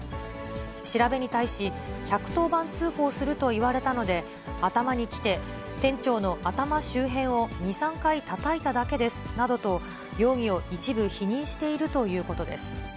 調べに対し、１１０番通報すると言われたので、頭にきて、店長の頭周辺を２、３回たたいただけですなどと、容疑を一部否認しているということです。